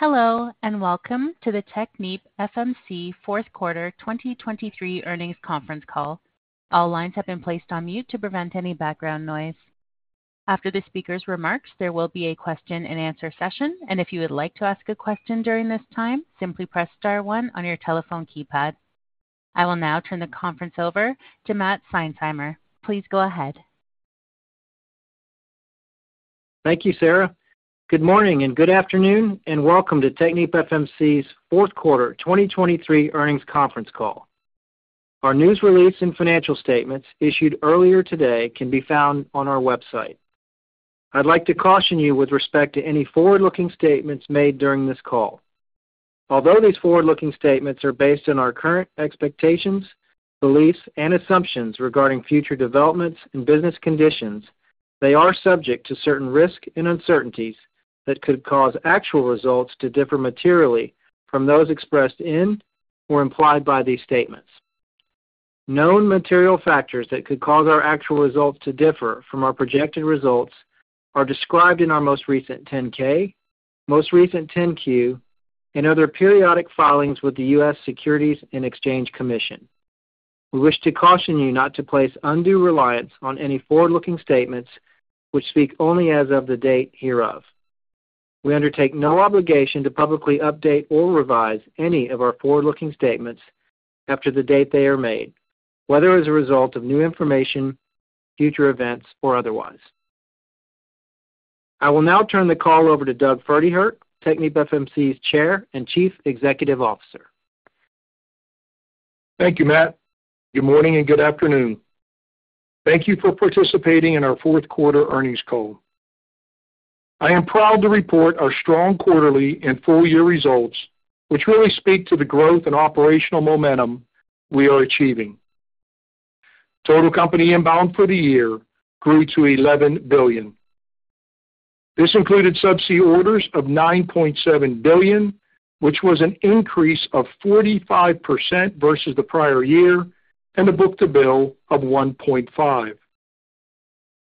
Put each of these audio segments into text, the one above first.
Hello, and welcome to the TechnipFMC fourth quarter 2023 earnings conference call. All lines have been placed on mute to prevent any background noise. After the speaker's remarks, there will be a question-and-answer session, and if you would like to ask a question during this time, simply press star one on your telephone keypad. I will now turn the conference over to Matt Seinsheimer. Please go ahead. Thank you, Sarah. Good morning, and good afternoon, and welcome to TechnipFMC's fourth quarter 2023 earnings conference call. Our news release and financial statements issued earlier today can be found on our website. I'd like to caution you with respect to any forward-looking statements made during this call. Although these forward-looking statements are based on our current expectations, beliefs, and assumptions regarding future developments and business conditions, they are subject to certain risks and uncertainties that could cause actual results to differ materially from those expressed in or implied by these statements. Known material factors that could cause our actual results to differ from our projected results are described in our most recent 10-K, most recent 10-Q, and other periodic filings with the U.S. Securities and Exchange Commission. We wish to caution you not to place undue reliance on any forward-looking statements which speak only as of the date hereof. We undertake no obligation to publicly update or revise any of our forward-looking statements after the date they are made, whether as a result of new information, future events, or otherwise. I will now turn the call over to Doug Pferdehirt, TechnipFMC's Chair and Chief Executive Officer. Thank you, Matt. Good morning, and good afternoon. Thank you for participating in our fourth quarter earnings call. I am proud to report our strong quarterly and full-year results, which really speak to the growth and operational momentum we are achieving. Total company inbound for the year grew to $11 billion. This included subsea orders of $9.7 billion, which was an increase of 45% versus the prior year, and a book-to-bill of 1.5.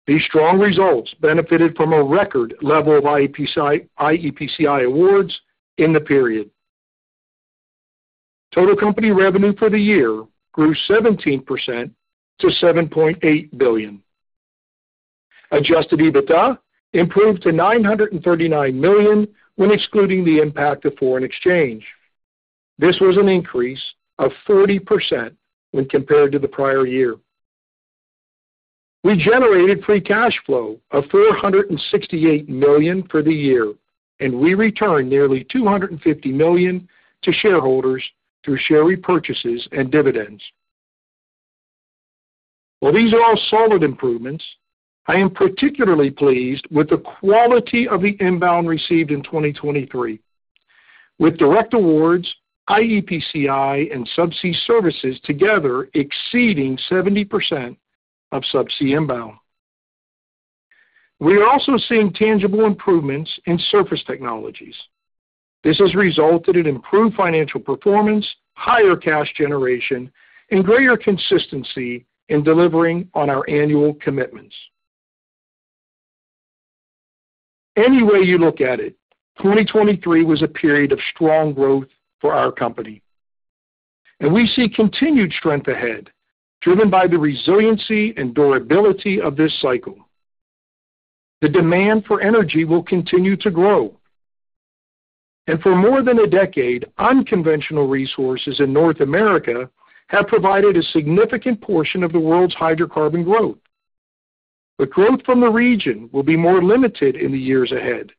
These strong results benefited from a record level of iEPCI, iEPCI awards in the period. Total company revenue for the year grew 17% to $7.8 billion. Adjusted EBITDA improved to $939 million when excluding the impact of foreign exchange. This was an increase of 40% when compared to the prior year. We generated free cash flow of $468 million for the year, and we returned nearly $250 million to shareholders through share repurchases and dividends. While these are all solid improvements, I am particularly pleased with the quality of the inbound received in 2023, with direct awards, iEPCI, and subsea services together exceeding 70% of subsea inbound. We are also seeing tangible improvements in Surface Technologies. This has resulted in improved financial performance, higher cash generation, and greater consistency in delivering on our annual commitments. Any way you look at it, 2023 was a period of strong growth for our company, and we see continued strength ahead, driven by the resiliency and durability of this cycle. The demand for energy will continue to grow, and for more than a decade, unconventional resources in North America have provided a significant portion of the world's hydrocarbon growth. The growth from the region will be more limited in the years ahead,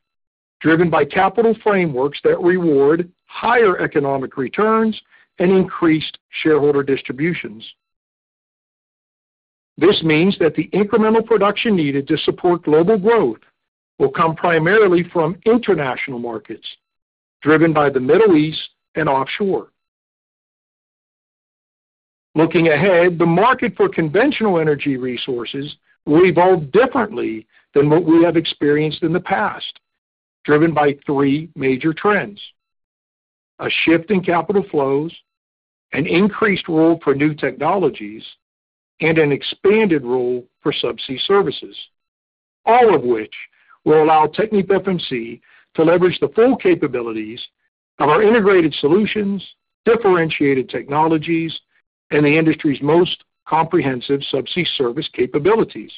driven by capital frameworks that reward higher economic returns and increased shareholder distributions. This means that the incremental production needed to support global growth will come primarily from international markets, driven by the Middle East and offshore. Looking ahead, the market for conventional energy resources will evolve differently than what we have experienced in the past, driven by three major trends: a shift in capital flows, an increased role for new technologies, and an expanded role for subsea services, all of which will allow TechnipFMC to leverage the full capabilities of our integrated solutions, differentiated technologies, and the industry's most comprehensive subsea service capabilities.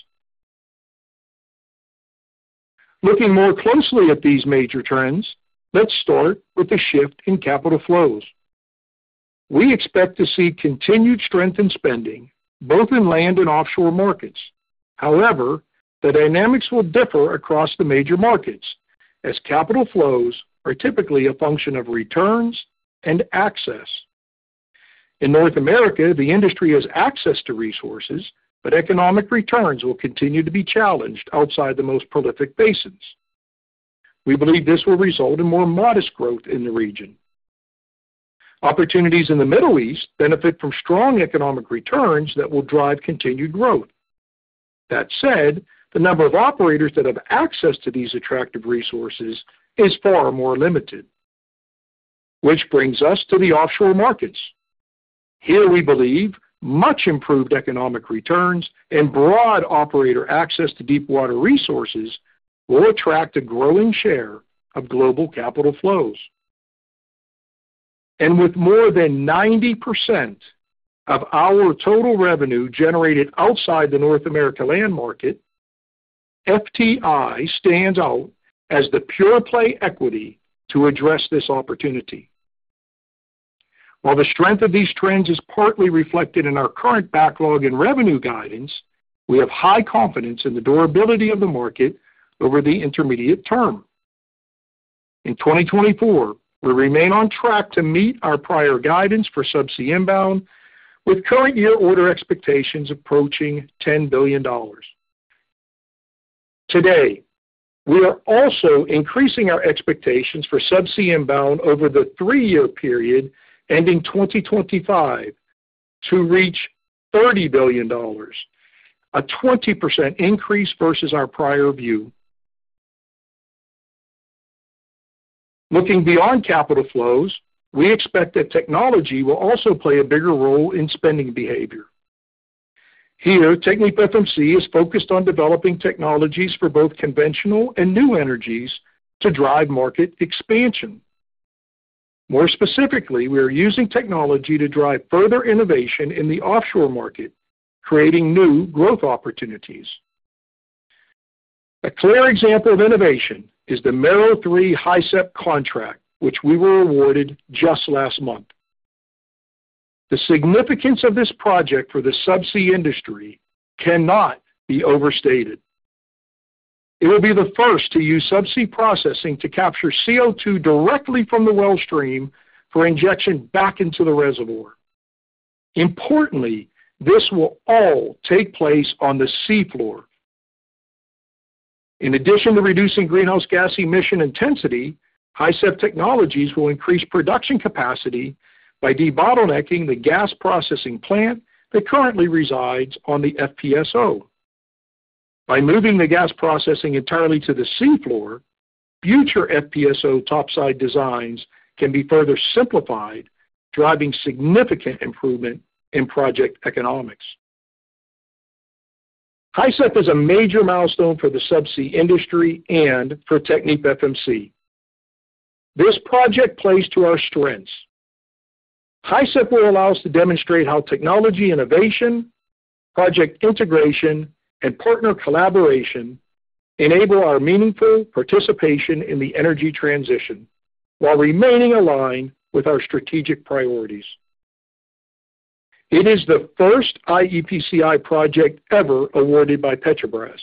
Looking more closely at these major trends, let's start with the shift in capital flows. We expect to see continued strength in spending, both in land and offshore markets. However, the dynamics will differ across the major markets as capital flows are typically a function of returns and access. In North America, the industry has access to resources, but economic returns will continue to be challenged outside the most prolific basins. We believe this will result in more modest growth in the region. Opportunities in the Middle East benefit from strong economic returns that will drive continued growth. That said, the number of operators that have access to these attractive resources is far more limited... Which brings us to the offshore markets. Here, we believe much improved economic returns and broad operator access to deepwater resources will attract a growing share of global capital flows. With more than 90% of our total revenue generated outside the North America land market, FTI stands out as the pure-play equity to address this opportunity. While the strength of these trends is partly reflected in our current backlog and revenue guidance, we have high confidence in the durability of the market over the intermediate term. In 2024, we remain on track to meet our prior guidance for subsea inbound, with current year order expectations approaching $10 billion. Today, we are also increasing our expectations for subsea inbound over the three-year period, ending 2025, to reach $30 billion, a 20% increase versus our prior view. Looking beyond capital flows, we expect that technology will also play a bigger role in spending behavior. Here, TechnipFMC is focused on developing technologies for both conventional and new energies to drive market expansion. More specifically, we are using technology to drive further innovation in the offshore market, creating new growth opportunities. A clear example of innovation is the Mero 3 HISEP contract, which we were awarded just last month. The significance of this project for the subsea industry cannot be overstated. It will be the first to use subsea processing to capture CO2 directly from the well stream for injection back into the reservoir. Importantly, this will all take place on the seafloor. In addition to reducing greenhouse gas emission intensity, HISEP technologies will increase production capacity by debottlenecking the gas processing plant that currently resides on the FPSO. By moving the gas processing entirely to the seafloor, future FPSO topside designs can be further simplified, driving significant improvement in project economics. HISEP is a major milestone for the subsea industry and for TechnipFMC. This project plays to our strengths. HISEP will allow us to demonstrate how technology innovation, project integration, and partner collaboration enable our meaningful participation in the energy transition while remaining aligned with our strategic priorities. It is the first iEPCI project ever awarded by Petrobras,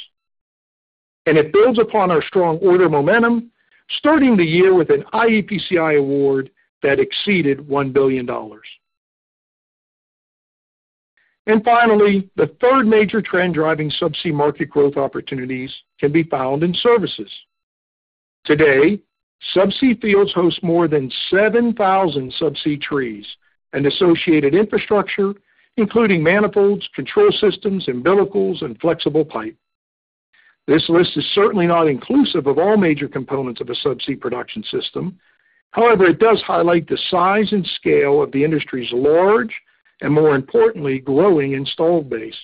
and it builds upon our strong order momentum, starting the year with an iEPCI award that exceeded $1 billion. And finally, the third major trend driving subsea market growth opportunities can be found in services. Today, subsea fields host more than 7,000 subsea trees and associated infrastructure, including manifolds, control systems, umbilicals, and flexible pipe. This list is certainly not inclusive of all major components of a subsea production system. However, it does highlight the size and scale of the industry's large and, more importantly, growing installed base.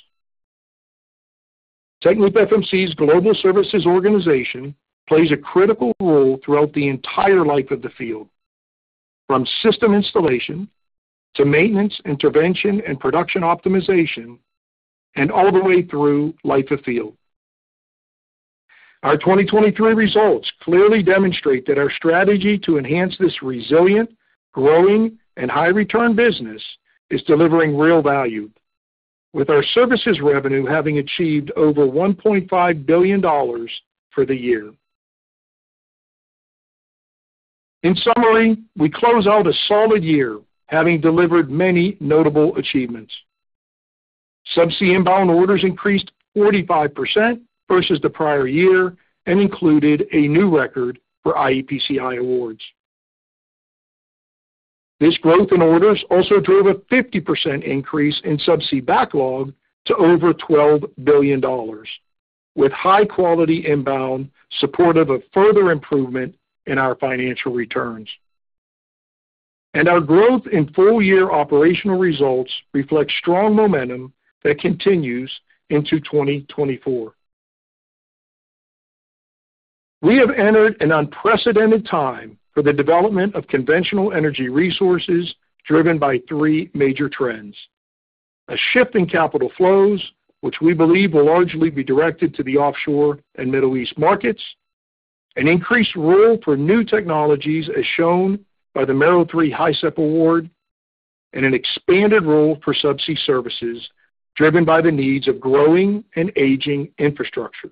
TechnipFMC's global services organization plays a critical role throughout the entire life of the field, from system installation to maintenance, intervention, and production optimization, and all the way through life of field. Our 2023 results clearly demonstrate that our strategy to enhance this resilient, growing, and high-return business is delivering real value, with our services revenue having achieved over $1.5 billion for the year. In summary, we close out a solid year, having delivered many notable achievements. Subsea inbound orders increased 45% versus the prior year and included a new record for iEPCI awards. This growth in orders also drove a 50% increase in subsea backlog to over $12 billion, with high-quality inbound supportive of further improvement in our financial returns. Our growth in full-year operational results reflect strong momentum that continues into 2024. We have entered an unprecedented time for the development of conventional energy resources, driven by three major trends: a shift in capital flows, which we believe will largely be directed to the offshore and Middle East markets, an increased role for new technologies, as shown by the Mero 3 HISEP award, and an expanded role for subsea services, driven by the needs of growing and aging infrastructure.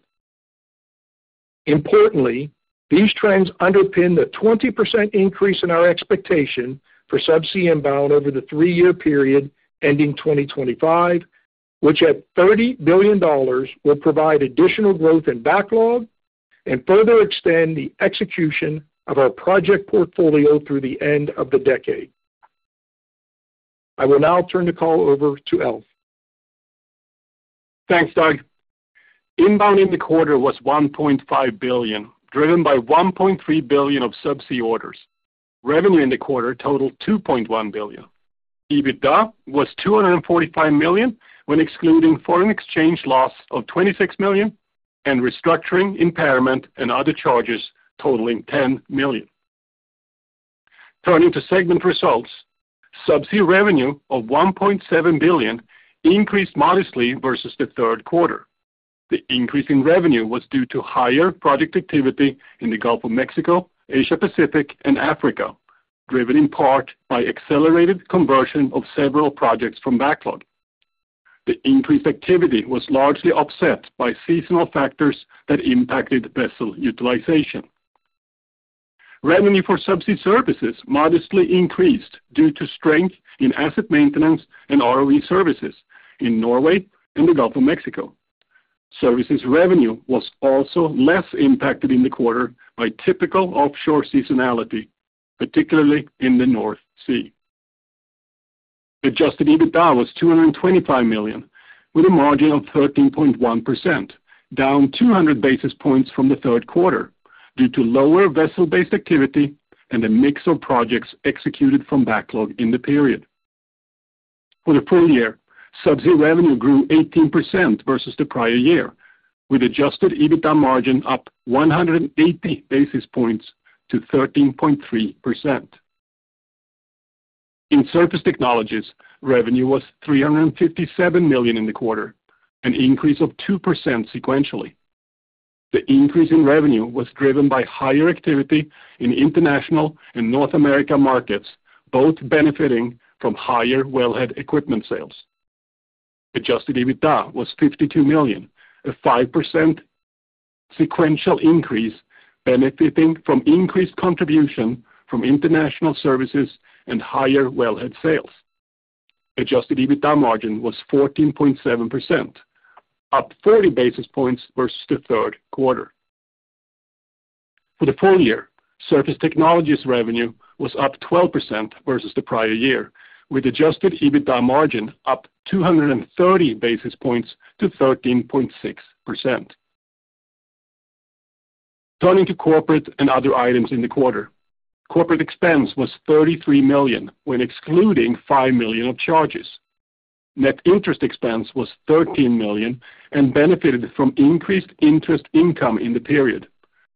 Importantly, these trends underpin the 20% increase in our expectation for subsea inbound over the three-year period, ending 2025, which at $30 billion, will provide additional growth and backlog and further extend the execution of our project portfolio through the end of the decade. I will now turn the call over to Alf.... Thanks, Doug. Inbound in the quarter was $1.5 billion, driven by $1.3 billion of subsea orders. Revenue in the quarter totaled $2.1 billion. EBITDA was $245 million, when excluding foreign exchange loss of $26 million and restructuring, impairment, and other charges totaling $10 million. Turning to segment results, subsea revenue of $1.7 billion increased modestly versus the third quarter. The increase in revenue was due to higher project activity in the Gulf of Mexico, Asia Pacific, and Africa, driven in part by accelerated conversion of several projects from backlog. The increased activity was largely offset by seasonal factors that impacted vessel utilization. Revenue for subsea services modestly increased due to strength in asset maintenance and ROV services in Norway and the Gulf of Mexico. Services revenue was also less impacted in the quarter by typical offshore seasonality, particularly in the North Sea. Adjusted EBITDA was $225 million, with a margin of 13.1%, down 200 basis points from the third quarter due to lower vessel-based activity and a mix of projects executed from backlog in the period. For the full year, subsea revenue grew 18% versus the prior year, with adjusted EBITDA margin up 180 basis points to 13.3%. In Surface Technologies, revenue was $357 million in the quarter, an increase of 2% sequentially. The increase in revenue was driven by higher activity in international and North America markets, both benefiting from higher wellhead equipment sales. Adjusted EBITDA was $52 million, a 5% sequential increase, benefiting from increased contribution from international services and higher wellhead sales. Adjusted EBITDA margin was 14.7%, up 30 basis points versus the third quarter. For the full year, Surface Technologies revenue was up 12% versus the prior year, with adjusted EBITDA margin up 230 basis points to 13.6%. Turning to corporate and other items in the quarter. Corporate expense was $33 million, when excluding $5 million of charges. Net interest expense was $13 million and benefited from increased interest income in the period,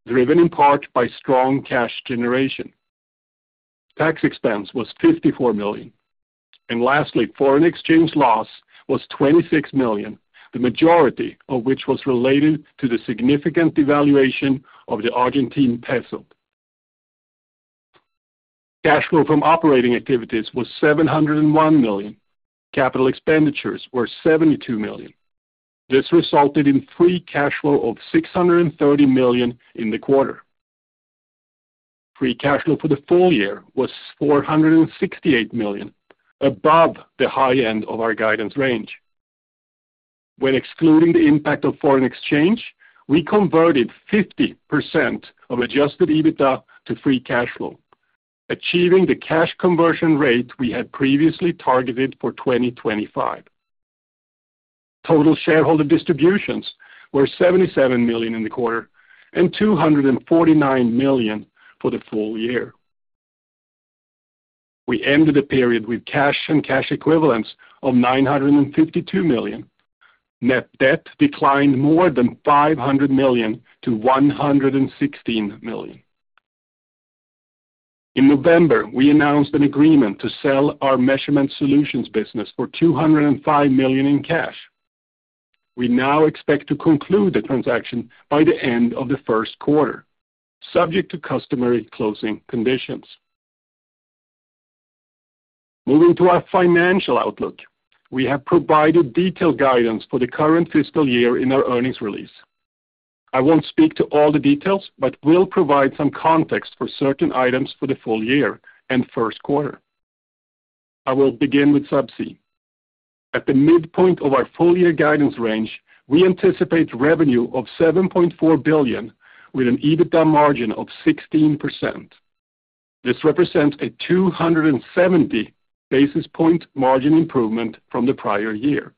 driven in part by strong cash generation. Tax expense was $54 million. Lastly, foreign exchange loss was $26 million, the majority of which was related to the significant devaluation of the Argentine peso. Cash flow from operating activities was $701 million. Capital expenditures were $72 million. This resulted in free cash flow of $630 million in the quarter. Free cash flow for the full year was $468 million, above the high end of our guidance range. When excluding the impact of foreign exchange, we converted 50% of Adjusted EBITDA to free cash flow, achieving the cash conversion rate we had previously targeted for 2025. Total shareholder distributions were $77 million in the quarter and $249 million for the full year. We ended the period with cash and cash equivalents of $952 million. Net debt declined more than $500 million-$116 million. In November, we announced an agreement to sell our Measurement Solutions business for $205 million in cash. We now expect to conclude the transaction by the end of the first quarter, subject to customary closing conditions. Moving to our financial outlook. We have provided detailed guidance for the current fiscal year in our earnings release. I won't speak to all the details, but will provide some context for certain items for the full year and first quarter. I will begin with Subsea. At the midpoint of our full-year guidance range, we anticipate revenue of $7.4 billion, with an EBITDA margin of 16%. This represents a 270 basis point margin improvement from the prior year.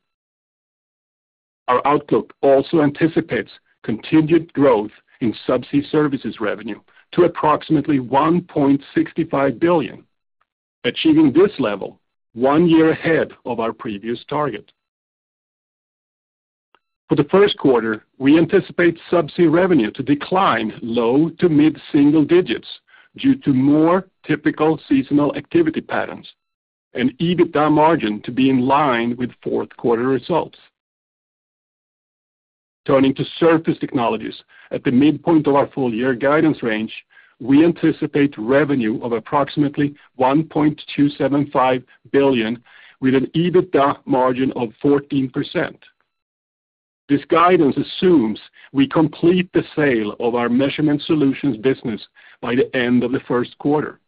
Our outlook also anticipates continued growth in Subsea services revenue to approximately $1.65 billion, achieving this level one year ahead of our previous target. For the first quarter, we anticipate Subsea revenue to decline low-to-mid-single digits due to more typical seasonal activity patterns and EBITDA margin to be in line with fourth quarter results. Turning to Surface Technologies. At the midpoint of our full-year guidance range, we anticipate revenue of approximately $1.275 billion, with an EBITDA margin of 14%. This guidance assumes we complete the sale of our Measurement Solutions business by the end of the first quarter.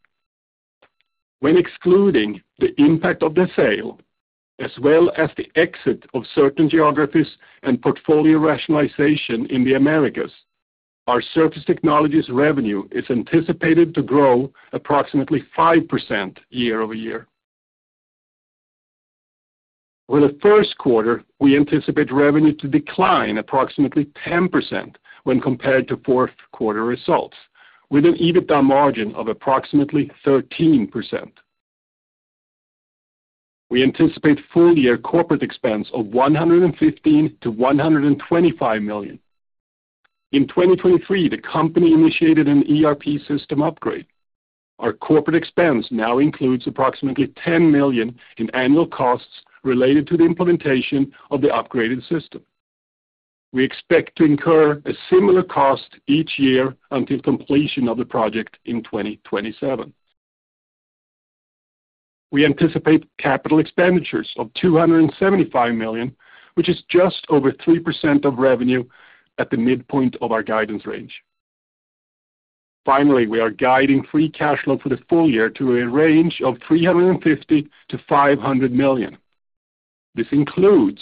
When excluding the impact of the sale, as well as the exit of certain geographies and portfolio rationalization in the Americas... Our Surface Technologies revenue is anticipated to grow approximately 5% year over year. For the first quarter, we anticipate revenue to decline approximately 10% when compared to fourth quarter results, with an EBITDA margin of approximately 13%. We anticipate full-year corporate expense of $115 million-$125 million. In 2023, the company initiated an ERP system upgrade. Our corporate expense now includes approximately $10 million in annual costs related to the implementation of the upgraded system. We expect to incur a similar cost each year until completion of the project in 2027. We anticipate capital expenditures of $275 million, which is just over 3% of revenue at the midpoint of our guidance range. Finally, we are guiding free cash flow for the full year to a range of $350 million-$500 million. This includes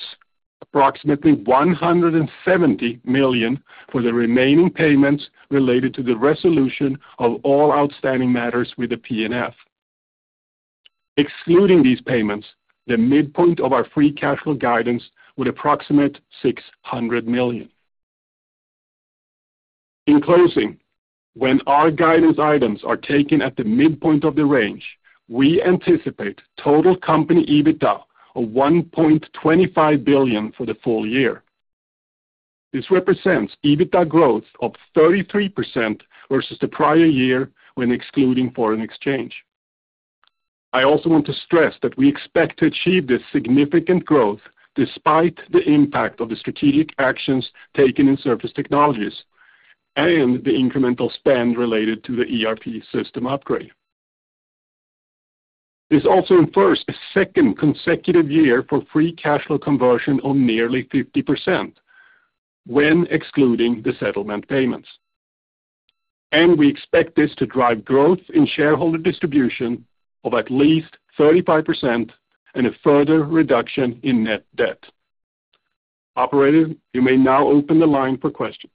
approximately $170 million for the remaining payments related to the resolution of all outstanding matters with the PNF. Excluding these payments, the midpoint of our free cash flow guidance would approximate $600 million. In closing, when our guidance items are taken at the midpoint of the range, we anticipate total company EBITDA of $1.25 billion for the full year. This represents EBITDA growth of 33% versus the prior year, when excluding foreign exchange. I also want to stress that we expect to achieve this significant growth despite the impact of the strategic actions taken in Surface Technologies and the incremental spend related to the ERP system upgrade. This also enforces a second consecutive year for free cash flow conversion on nearly 50% when excluding the settlement payments. And we expect this to drive growth in shareholder distribution of at least 35% and a further reduction in net debt. Operator, you may now open the line for questions.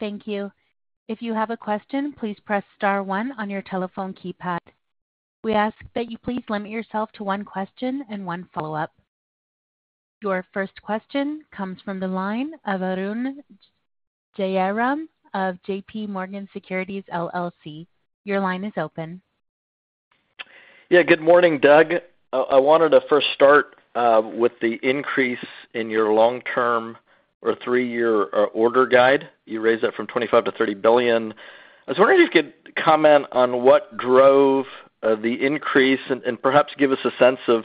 Thank you. If you have a question, please press star one on your telephone keypad. We ask that you please limit yourself to one question and one follow-up. Your first question comes from the line of Arun Jayaram of JP Morgan Securities, LLC. Your line is open. Yeah, good morning, Doug. I wanted to first start with the increase in your long-term or three-year order guide. You raised that from $25 billion-$30 billion. I was wondering if you could comment on what drove the increase, and perhaps give us a sense of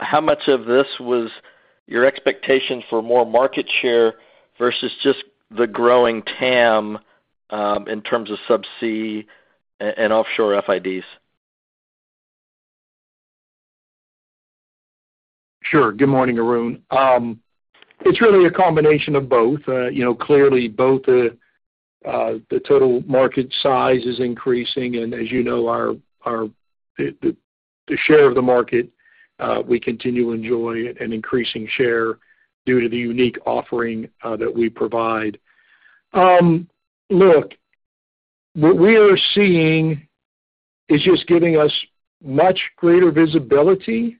how much of this was your expectation for more market share versus just the growing TAM in terms of subsea and offshore FIDs? Sure. Good morning, Arun. It's really a combination of both. You know, clearly, the total market size is increasing, and as you know, our share of the market, we continue to enjoy an increasing share due to the unique offering that we provide. Look, what we are seeing is just giving us much greater visibility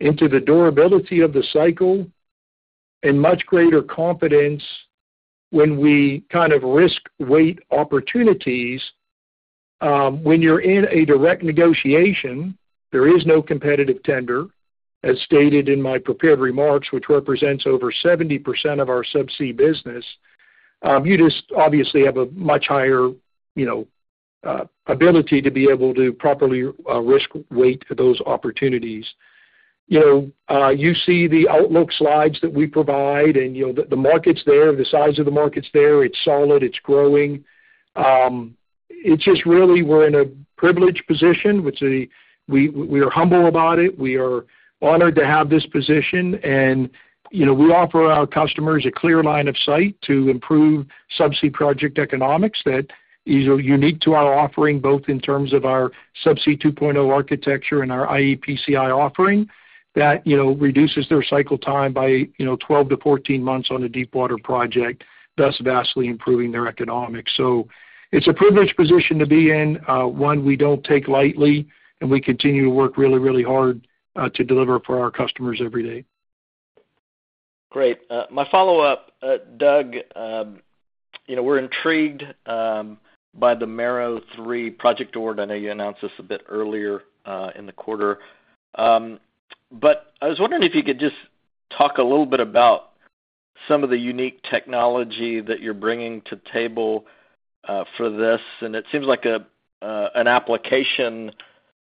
into the durability of the cycle and much greater confidence when we kind of risk weight opportunities. When you're in a direct negotiation, there is no competitive tender, as stated in my prepared remarks, which represents over 70% of our subsea business, you just obviously have a much higher, you know, ability to be able to properly risk weight those opportunities. You know, you see the outlook slides that we provide, and, you know, the, the market's there, the size of the market's there, it's solid, it's growing. It's just really we're in a privileged position, which we, we are humble about it. We are honored to have this position, and, you know, we offer our customers a clear line of sight to improve subsea project economics that is unique to our offering, both in terms of our Subsea 2.0 architecture and our iEPCI offering. That, you know, reduces their cycle time by, you know, 12-14 months on a deepwater project, thus vastly improving their economics. So it's a privileged position to be in, one we don't take lightly, and we continue to work really, really hard, to deliver for our customers every day. Great. My follow-up, Doug, you know, we're intrigued by the Mero 3 project award. I know you announced this a bit earlier in the quarter. But I was wondering if you could just talk a little bit about some of the unique technology that you're bringing to the table for this, and it seems like an application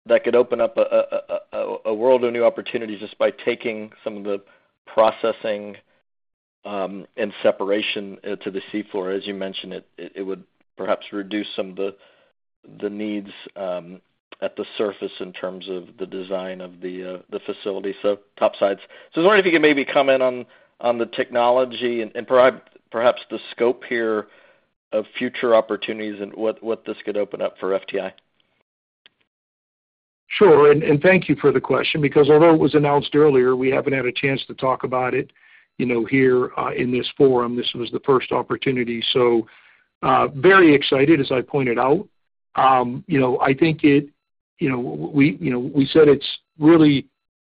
that could open up a world of new opportunities just by taking some of the processing and separation to the seafloor. As you mentioned, it would perhaps reduce some of the needs at the surface in terms of the design of the facility, so topsides. So I was wondering if you could maybe comment on the technology and perhaps the scope here of future opportunities and what this could open up for FTI? Sure, and thank you for the question, because although it was announced earlier, we haven't had a chance to talk about it, you know, here in this forum. This was the first opportunity. So, very excited, as I pointed out. You know, I think it, you know, we, you know, we said it's really,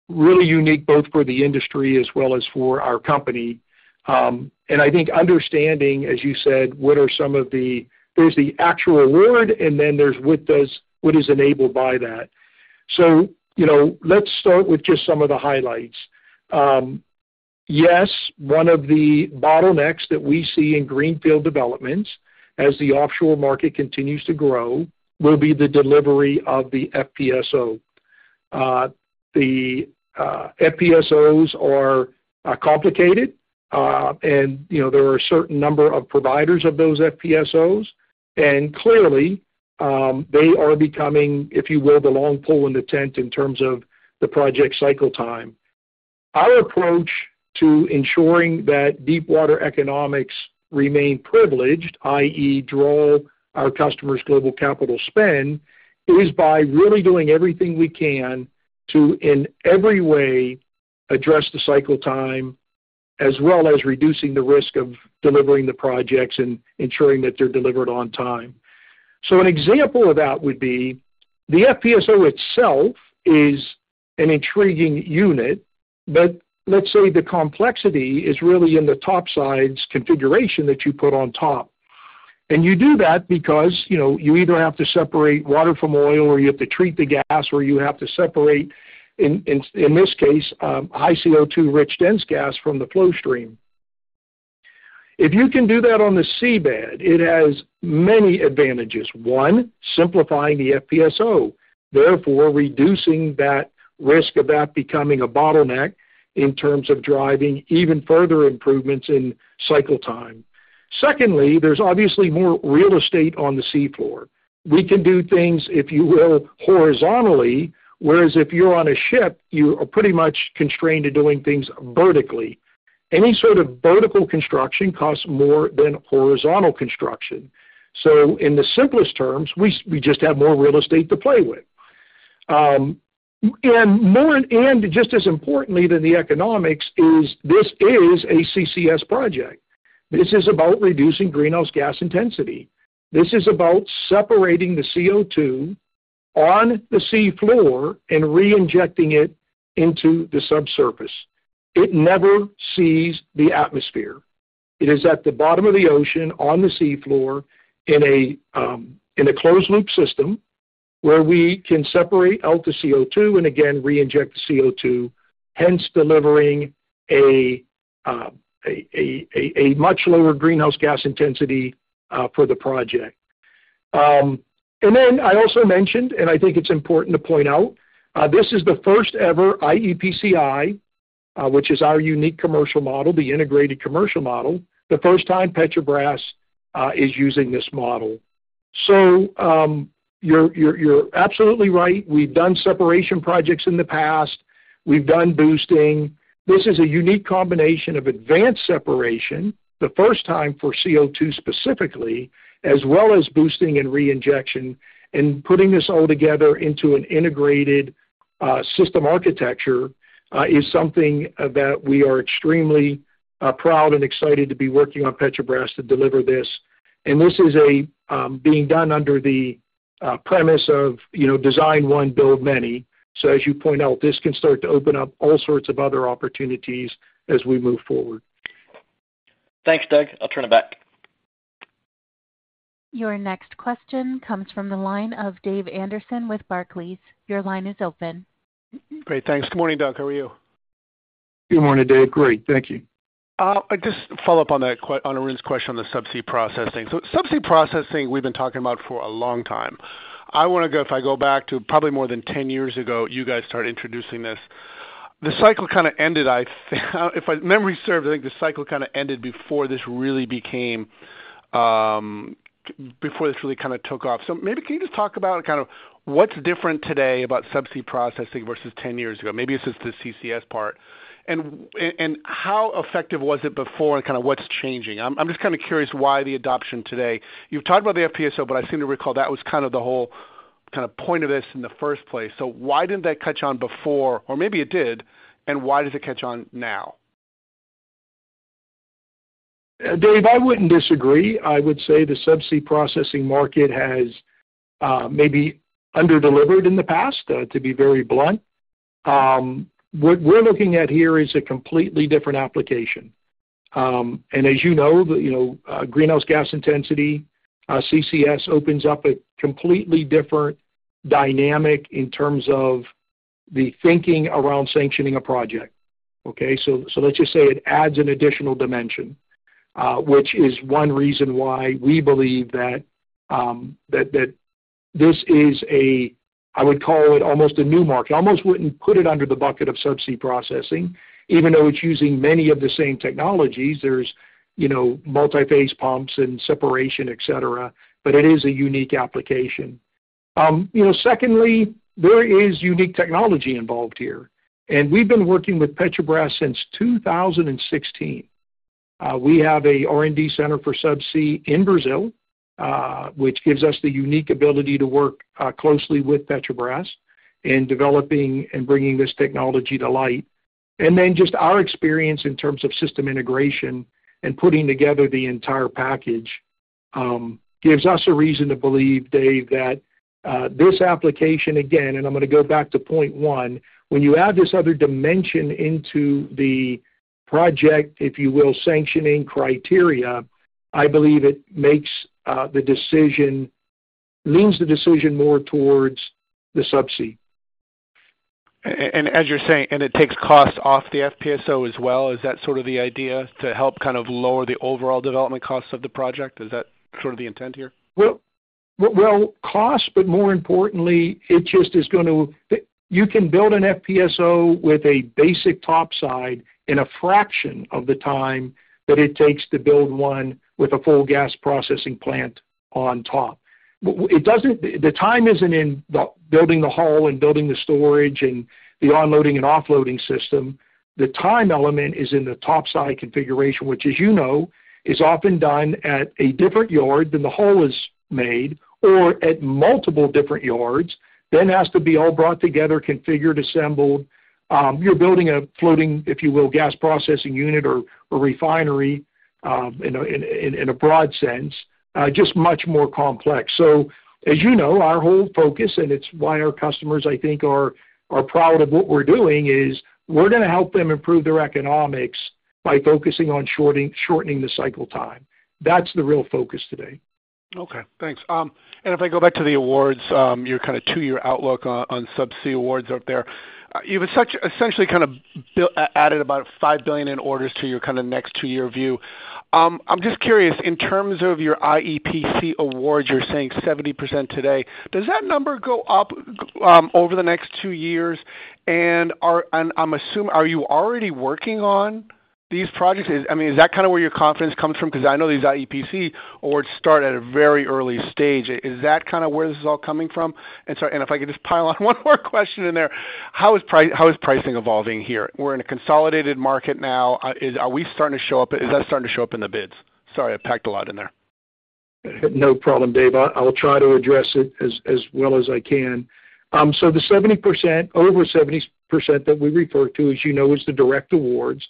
really unique, both for the industry as well as for our company. And I think understanding, as you said, what are some of the-- there's the actual award, and then there's what does-- what is enabled by that. So, you know, let's start with just some of the highlights. Yes, one of the bottlenecks that we see in greenfield developments, as the offshore market continues to grow, will be the delivery of the FPSO. The FPSOs are complicated, and, you know, there are a certain number of providers of those FPSOs. Clearly, they are becoming, if you will, the long pole in the tent in terms of the project cycle time. Our approach to ensuring that deepwater economics remain privileged, i.e., draw our customers' global capital spend, is by really doing everything we can to, in every way, address the cycle time, as well as reducing the risk of delivering the projects and ensuring that they're delivered on time. An example of that would be, the FPSO itself is an intriguing unit, but let's say the complexity is really in the top side's configuration that you put on top. You do that because, you know, you either have to separate water from oil, or you have to treat the gas, or you have to separate, in this case, high CO2-rich dense gas from the flow stream. If you can do that on the seabed, it has many advantages. One, simplifying the FPSO, therefore, reducing that risk of that becoming a bottleneck in terms of driving even further improvements in cycle time. Secondly, there's obviously more real estate on the seafloor. We can do things, if you will, horizontally, whereas if you're on a ship, you are pretty much constrained to doing things vertically. Any sort of vertical construction costs more than horizontal construction. So in the simplest terms, we just have more real estate to play with. And, just as importantly than the economics is, this is a CCS project. This is about reducing greenhouse gas intensity. This is about separating the CO2 on the seafloor and reinjecting it into the subsurface. It never sees the atmosphere. It is at the bottom of the ocean, on the seafloor, in a closed-loop system, where we can separate out the CO2 and again reinject the CO2, hence delivering a much lower greenhouse gas intensity for the project. And then I also mentioned, and I think it's important to point out, this is the first-ever iEPCI, which is our unique commercial model, the integrated commercial model, the first time Petrobras is using this model. So, you're absolutely right. We've done separation projects in the past. We've done boosting. This is a unique combination of advanced separation, the first time for CO2 specifically, as well as boosting and reinjection. Putting this all together into an integrated system architecture is something that we are extremely proud and excited to be working on Petrobras to deliver this. This is being done under the premise of, you know, design one, build many. So as you point out, this can start to open up all sorts of other opportunities as we move forward. Thanks, Doug. I'll turn it back. Your next question comes from the line of Dave Anderson with Barclays. Your line is open. Great, thanks. Good morning, Doug. How are you? Good morning, Dave. Great, thank you. Just to follow up on Arun's question on the subsea processing. So subsea processing, we've been talking about for a long time. I wanna go back to probably more than 10 years ago, you guys started introducing this. The cycle kind of ended, I think, if my memory serves, I think the cycle kind of ended before this really became before this really kind of took off. So maybe can you just talk about kind of what's different today about subsea processing versus 10 years ago? Maybe it's just the CCS part. And how effective was it before, and kind of what's changing? I'm just kind of curious why the adoption today. You've talked about the FPSO, but I seem to recall that was kind of the whole, kind of, point of this in the first place. So why didn't that catch on before? Or maybe it did, and why does it catch on now? Dave, I wouldn't disagree. I would say the subsea processing market has maybe under-delivered in the past, to be very blunt. What we're looking at here is a completely different application. And as you know, you know, greenhouse gas intensity, CCS opens up a completely different dynamic in terms of the thinking around sanctioning a project, okay? So, so let's just say it adds an additional dimension, which is one reason why we believe that, that this is a-- I would call it almost a new market. I almost wouldn't put it under the bucket of subsea processing, even though it's using many of the same technologies. There's, you know, multiphase pumps and separation, et cetera, but it is a unique application. You know, secondly, there is unique technology involved here, and we've been working with Petrobras since 2016. We have a R&D center for subsea in Brazil, which gives us the unique ability to work closely with Petrobras in developing and bringing this technology to light. And then just our experience in terms of system integration and putting together the entire package gives us a reason to believe, Dave, that this application, again, and I'm gonna go back to point one, when you add this other dimension into the project, if you will, sanctioning criteria, I believe it makes the decision leans the decision more towards the subsea. And as you're saying, and it takes costs off the FPSO as well, is that sort of the idea to help kind of lower the overall development costs of the project? Is that sort of the intent here? Well, well, cost, but more importantly, it just is going to—you can build an FPSO with a basic top side in a fraction of the time that it takes to build one with a full gas processing plant on top. It doesn't—the time isn't in the building the hull and building the storage and the onloading and offloading system. The time element is in the top side configuration, which, as you know, is often done at a different yard than the hull is made, or at multiple different yards, then has to be all brought together, configured, assembled. You're building a floating, if you will, gas processing unit or refinery, in a broad sense, just much more complex. So as you know, our whole focus, and it's why our customers, I think, are proud of what we're doing, is we're gonna help them improve their economics by focusing on shortening the cycle time. That's the real focus today. Okay, thanks. And if I go back to the awards, your kind of two-year outlook on subsea awards out there, you've essentially kind of added about $5 billion in orders to your kind of next two-year view. I'm just curious, in terms of your iEPCI awards, you're saying 70% today. Does that number go up over the next two years? And I'm assuming, are you already working on these projects? I mean, is that kind of where your confidence comes from? Because I know these iEPCI awards start at a very early stage. Is that kind of where this is all coming from? And sorry, and if I could just pile on one more question in there: How is pricing evolving here? We're in a consolidated market now. Are we starting to show up... Is that starting to show up in the bids? Sorry, I packed a lot in there. No problem, Dave. I'll try to address it as well as I can. So the 70%, over 70% that we refer to, as you know, is the direct awards,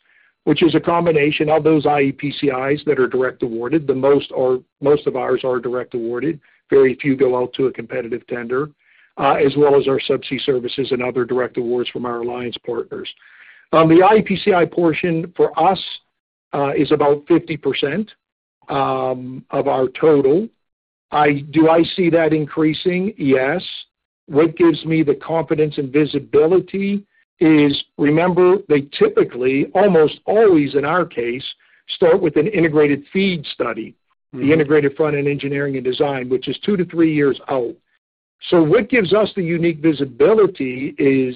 which is a combination of those iEPCIs that are direct awarded. Most of ours are direct awarded. Very few go out to a competitive tender, as well as our subsea services and other direct awards from our alliance partners. The iEPCI portion for us is about 50% of our total. Do I see that increasing? Yes. What gives me the confidence and visibility is, remember, they typically, almost always in our case, start with an integrated FEED study- Mm-hmm. the integrated front-end engineering and design, which is two to three years out. So what gives us the unique visibility is,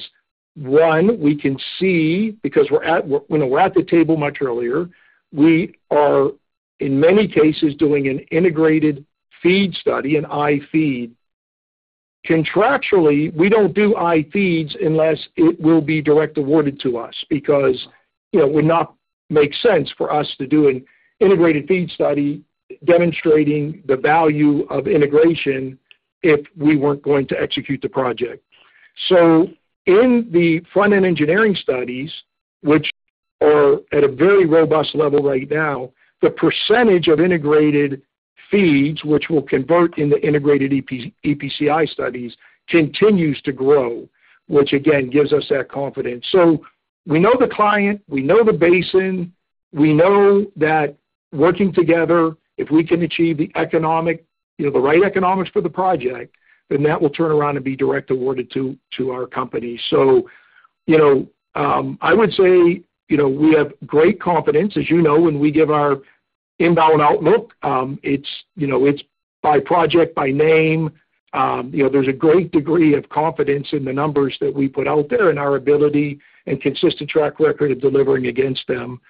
one, we can see, because we're at, you know, we're at the table much earlier, we are, in many cases, doing an integrated FEED study, an iFEED. Contractually, we don't do iFEEDs unless it will be direct awarded to us, because, you know, it would not make sense for us to do an integrated FEED study demonstrating the value of integration if we weren't going to execute the project. So in the front-end engineering studies, which are at a very robust level right now, the percentage of integrated FEEDs, which will convert into integrated EPCI studies, continues to grow, which again, gives us that confidence. So we know the client, we know the basin, we know that working together, if we can achieve the economic, you know, the right economics for the project, then that will turn around and be direct awarded to, to our company. So, you know, I would say, you know, we have great confidence, as you know, when we give our inbound outlook, it's, you know, it's by project, by name. You know, there's a great degree of confidence in the numbers that we put out there and our ability and consistent track record of delivering against them.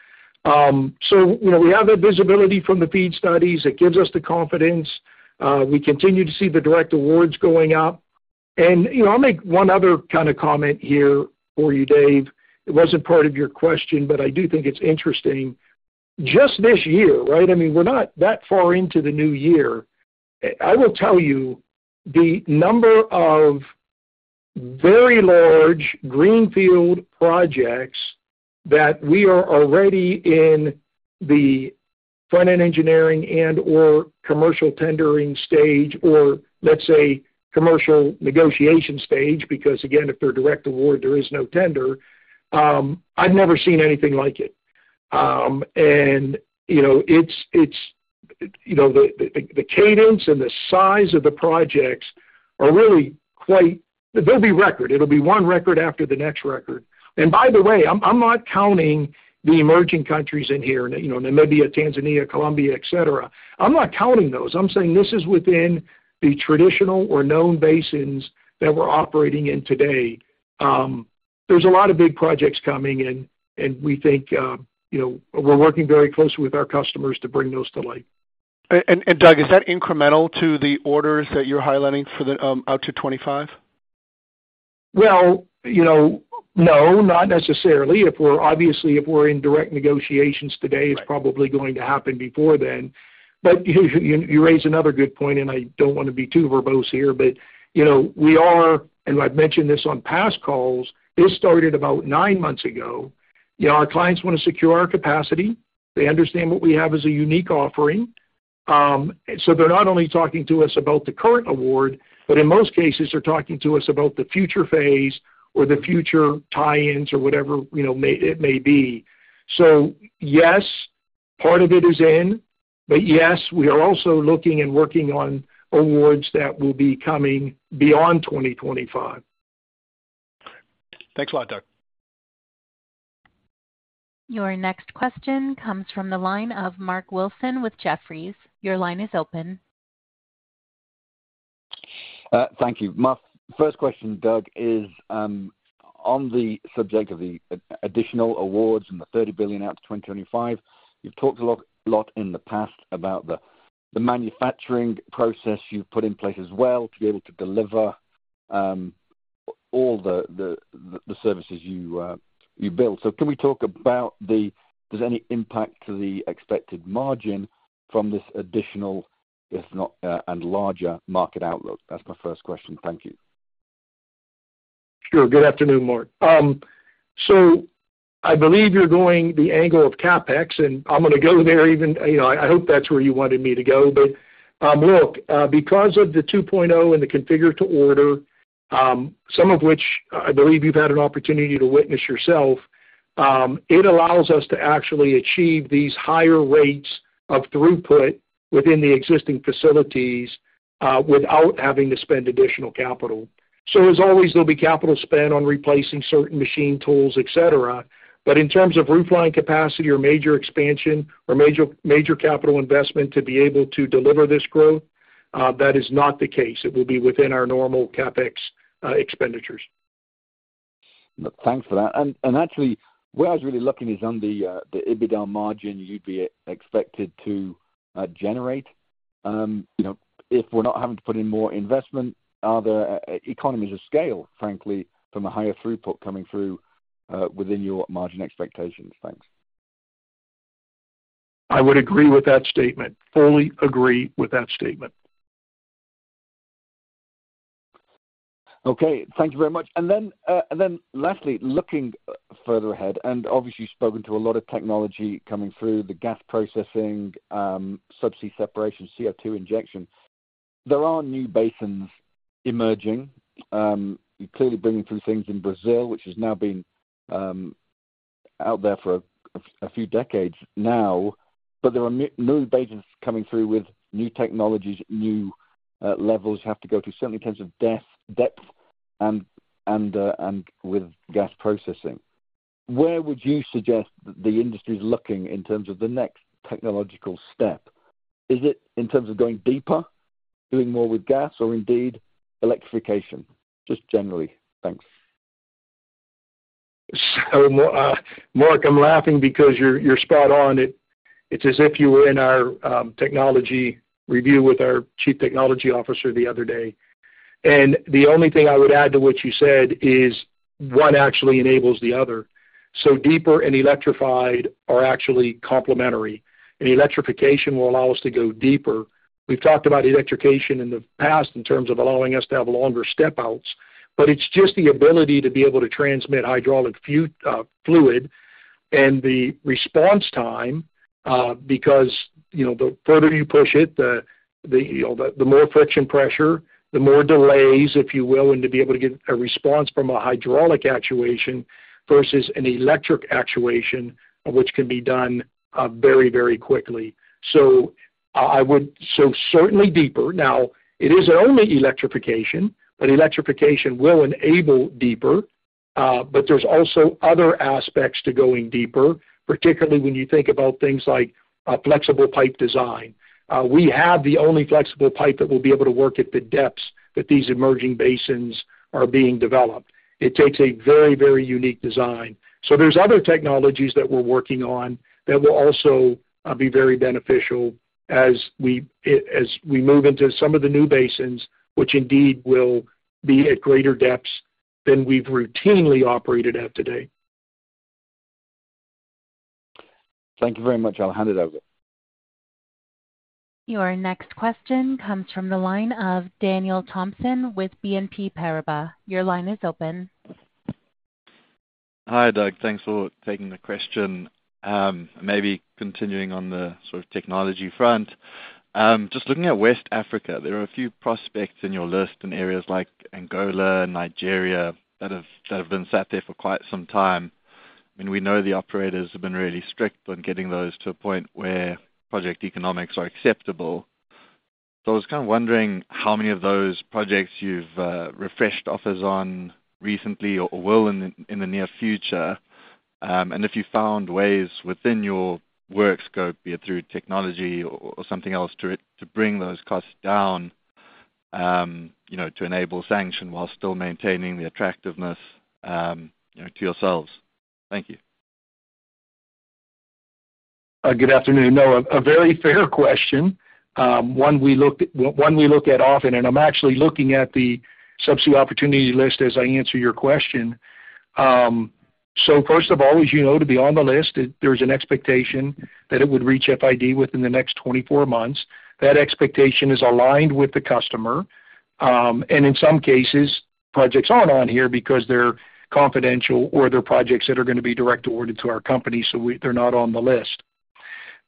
So, you know, we have the visibility from the FEED studies. It gives us the confidence. We continue to see the direct awards going out. And, you know, I'll make one other kind of comment here for you, Dave. It wasn't part of your question, but I do think it's interesting. Just this year, right? I mean, we're not that far into the new year. I will tell you the number of very large greenfield projects that we are already in the front-end engineering and/or commercial tendering stage, or let's say, commercial negotiation stage, because again, if they're direct award, there is no tender. I've never seen anything like it. And, you know, it's, you know, the cadence and the size of the projects are really quite... They'll be record. It'll be one record after the next record. And by the way, I'm not counting the emerging countries in here, you know, Namibia, Tanzania, Colombia, et cetera. I'm not counting those. I'm saying this is within the traditional or known basins that we're operating in today. There's a lot of big projects coming in, and we think, you know, we're working very closely with our customers to bring those to light. Doug, is that incremental to the orders that you're highlighting for the out to 25?... Well, you know, no, not necessarily. If we're obviously, if we're in direct negotiations today, it's probably going to happen before then. But you raise another good point, and I don't want to be too verbose here, but, you know, we are, and I've mentioned this on past calls, this started about nine months ago. You know, our clients want to secure our capacity. They understand what we have as a unique offering. So they're not only talking to us about the current award, but in most cases, they're talking to us about the future phase or the future tie-ins or whatever, you know, it may be. So yes, part of it is in, but yes, we are also looking and working on awards that will be coming beyond 2025. Thanks a lot, Doug. Your next question comes from the line of Mark Wilson with Jefferies. Your line is open. Thank you. My first question, Doug, is on the subject of the additional awards and the $30 billion out to 2025. You've talked a lot in the past about the manufacturing process you've put in place as well to be able to deliver all the services you build. So can we talk about there's any impact to the expected margin from this additional, if not, and larger market outlook? That's my first question. Thank you. Sure. Good afternoon, Mark. So I believe you're going the angle of CapEx, and I'm gonna go there even, you know, I hope that's where you wanted me to go. But, look, because of the 2.0 and the Configure to Order, some of which I believe you've had an opportunity to witness yourself, it allows us to actually achieve these higher rates of throughput within the existing facilities, without having to spend additional capital. So as always, there'll be capital spent on replacing certain machine tools, et cetera. But in terms of roof line capacity or major expansion or major, major capital investment to be able to deliver this growth, that is not the case. It will be within our normal CapEx, expenditures. Thanks for that. And actually, where I was really looking is on the EBITDA margin you'd be expected to generate. You know, if we're not having to put in more investment, are there economies of scale, frankly, from a higher throughput coming through, within your margin expectations? Thanks. I would agree with that statement. Fully agree with that statement. Okay. Thank you very much. And then, and then lastly, looking further ahead, and obviously, you've spoken to a lot of technology coming through, the gas processing, subsea separation, CO2 injection. There are new basins emerging, clearly bringing through things in Brazil, which has now been out there for a few decades now. But there are new basins coming through with new technologies, new levels have to go to certainly in terms of depth and with gas processing. Where would you suggest the industry is looking in terms of the next technological step? Is it in terms of going deeper, doing more with gas, or indeed, electrification? Just generally. Thanks. So, Mark, I'm laughing because you're spot on. It's as if you were in our technology review with our Chief Technology Officer the other day. And the only thing I would add to what you said is one actually enables the other. So deeper and electrified are actually complementary, and electrification will allow us to go deeper. We've talked about electrification in the past in terms of allowing us to have longer step outs, but it's just the ability to be able to transmit hydraulic fluid and the response time, because, you know, the further you push it, you know, the more friction pressure, the more delays, if you will, and to be able to get a response from a hydraulic actuation versus an electric actuation, which can be done very, very quickly. So I would, so certainly deeper. Now, it isn't only electrification, but electrification will enable deeper. But there's also other aspects to going deeper, particularly when you think about things like flexible pipe design. We have the only flexible pipe that will be able to work at the depths that these emerging basins are being developed. It takes a very, very unique design. So there's other technologies that we're working on that will also be very beneficial as we move into some of the new basins, which indeed will be at greater depths than we've routinely operated at today. Thank you very much. I'll hand it over. Your next question comes from the line of Daniel Thompson with BNP Paribas. Your line is open. Hi, Doug. Thanks for taking the question. Maybe continuing on the sort of technology front. Just looking at West Africa, there are a few prospects in your list in areas like Angola and Nigeria that have been sat there for quite some time, and we know the operators have been really strict on getting those to a point where project economics are acceptable. So I was kind of wondering how many of those projects you've refreshed offers on recently or will in the near future, and if you found ways within your work scope, be it through technology or something else, to bring those costs down, you know, to enable sanction while still maintaining the attractiveness, you know, to yourselves. Thank you. ... good afternoon. No, a very fair question, one we look at often, and I'm actually looking at the Subsea opportunity list as I answer your question. So first of all, as you know, to be on the list, there's an expectation that it would reach FID within the next 24 months. That expectation is aligned with the customer. And in some cases, projects aren't on here because they're confidential or they're projects that are gonna be direct ordered to our company, they're not on the list.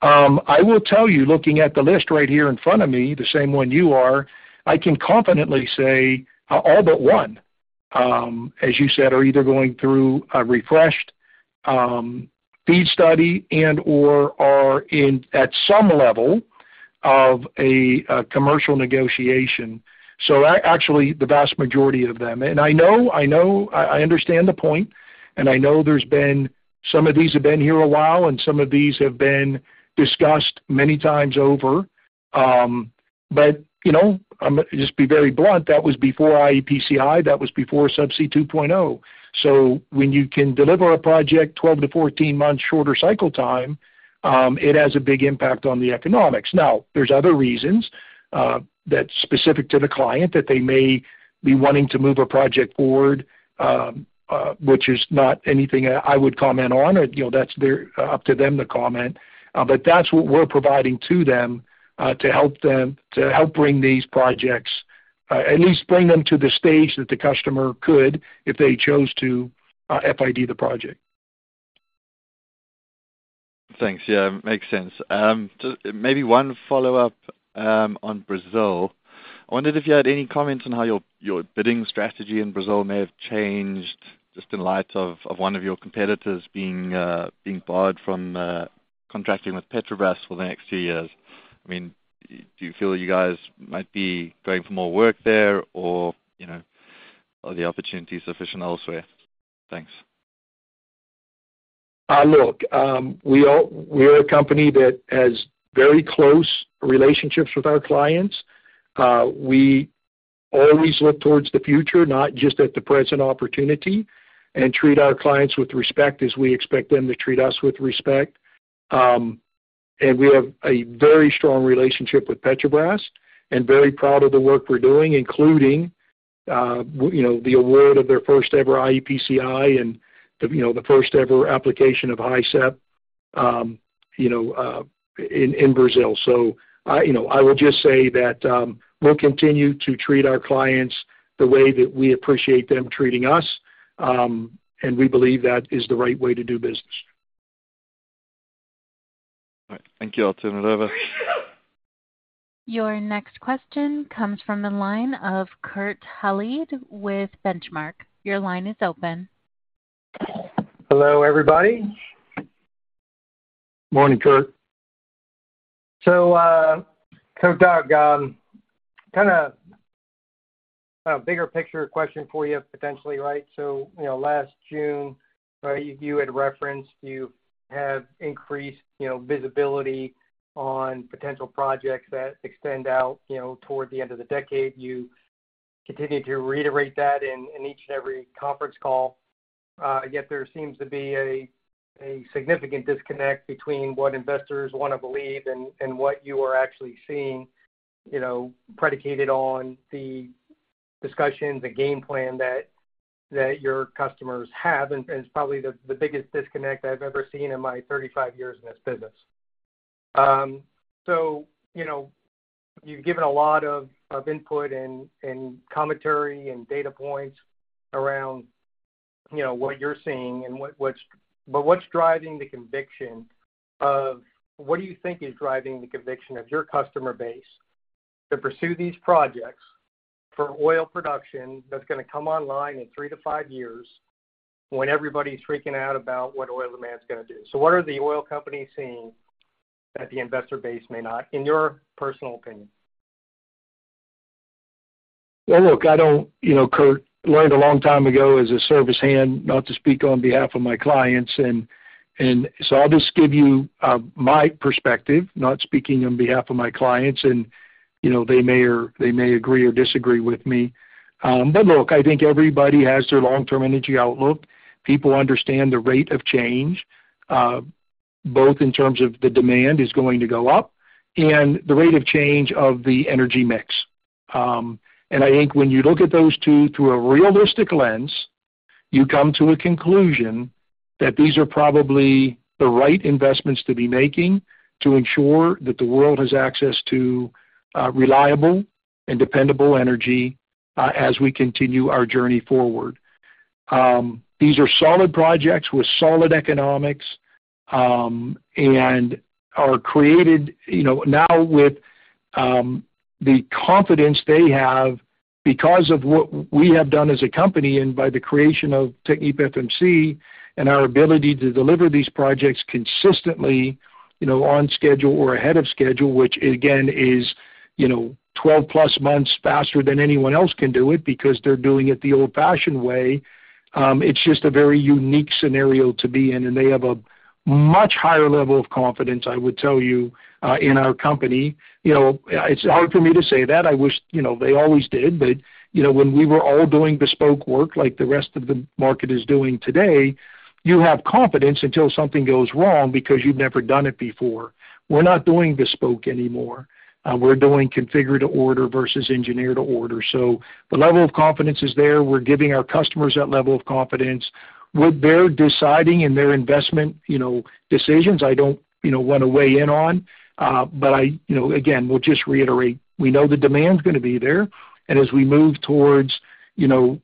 I will tell you, looking at the list right here in front of me, the same one you are, I can confidently say, all but one, as you said, are either going through a refreshed feed study and/or are in, at some level of a commercial negotiation. So actually, the vast majority of them. And I know, I know, I understand the point, and I know there's been some. Some of these have been here a while, and some of these have been discussed many times over. But, you know, I'm just be very blunt, that was before iEPCI, that was before Subsea 2.0. So when you can deliver a project 12 months-14 months shorter cycle time, it has a big impact on the economics. Now, there's other reasons, that's specific to the client, that they may be wanting to move a project forward, which is not anything I would comment on. You know, that's theirs, up to them to comment. But that's what we're providing to them to help bring these projects, at least bring them to the stage that the customer could, if they chose to, FID the project. Thanks. Yeah, makes sense. Just maybe one follow-up on Brazil. I wondered if you had any comments on how your bidding strategy in Brazil may have changed, just in light of one of your competitors being barred from contracting with Petrobras for the next two years. I mean, do you feel you guys might be going for more work there, or, you know, are the opportunities sufficient elsewhere? Thanks. Look, we're a company that has very close relationships with our clients. We always look toward the future, not just at the present opportunity, and treat our clients with respect as we expect them to treat us with respect. We have a very strong relationship with Petrobras and very proud of the work we're doing, including, you know, the award of their first-ever iEPCI and, you know, the first-ever application of HISEP, you know, in Brazil. So, you know, I will just say that, we'll continue to treat our clients the way that we appreciate them treating us, and we believe that is the right way to do business. All right. Thank you. I'll turn it over. Your next question comes from the line of Kurt Hallead with Benchmark. Your line is open. Hello, everybody. Morning, Kurt. So, Doug, kind of a bigger picture question for you, potentially, right? So, you know, last June, you had referenced you have increased, you know, visibility on potential projects that extend out, you know, toward the end of the decade. You continued to reiterate that in each and every conference call. Yet there seems to be a significant disconnect between what investors want to believe and what you are actually seeing, you know, predicated on the discussions, the game plan that your customers have, and it's probably the biggest disconnect I've ever seen in my 35 years in this business. So, you know, you've given a lot of input and commentary and data points around, you know, what you're seeing and what's... What do you think is driving the conviction of your customer base to pursue these projects for oil production that's gonna come online in three to five years, when everybody's freaking out about what oil demand is gonna do? So what are the oil companies seeing that the investor base may not, in your personal opinion? Well, look, I don't... You know, Kurt, learned a long time ago as a service hand not to speak on behalf of my clients. And so I'll just give you my perspective, not speaking on behalf of my clients, and, you know, they may or they may agree or disagree with me. But look, I think everybody has their long-term energy outlook. People understand the rate of change both in terms of the demand is going to go up and the rate of change of the energy mix. And I think when you look at those two through a realistic lens, you come to a conclusion that these are probably the right investments to be making, to ensure that the world has access to reliable and dependable energy as we continue our journey forward. These are solid projects with solid economics, and are created, you know, now with the confidence they have because of what we have done as a company and by the creation of TechnipFMC and our ability to deliver these projects consistently, you know, on schedule or ahead of schedule, which again is you know, 12+ months faster than anyone else can do it because they're doing it the old-fashioned way. It's just a very unique scenario to be in, and they have a much higher level of confidence, I would tell you, in our company. You know, it's hard for me to say that. I wish, you know, they always did. But, you know, when we were all doing bespoke work, like the rest of the market is doing today, you have confidence until something goes wrong because you've never done it before. We're not doing bespoke anymore, we're doing Configure to Order versus engineer to order. So the level of confidence is there. We're giving our customers that level of confidence. What they're deciding in their investment, you know, decisions, I don't, you know, want to weigh in on. But you know, again, we'll just reiterate, we know the demand's gonna be there, and as we move towards, you know,